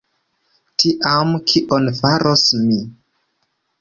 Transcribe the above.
Tiam, kion faros mi?